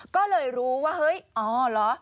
ก็เลยรู้ว่าเฮ้ยอ๋อเหรอ